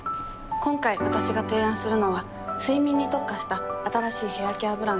今回わたしが提案するのは睡眠に特化した新しいヘアケアブランド。